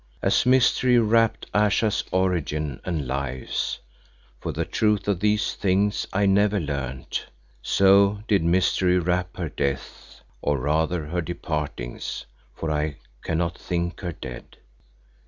As mystery wrapped Ayesha's origin and lives for the truth of these things I never learned so did mystery wrap her deaths, or rather her departings, for I cannot think her dead.